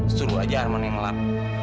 suruh aja arman yang ngelan